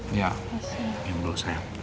terima kasih pak